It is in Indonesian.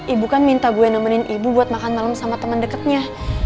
ibu kan minta gue nemenin ibu buat makan malam sama temen deketnya